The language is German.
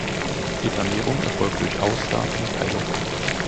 Die Vermehrung erfolgt durch Aussaat und Teilung.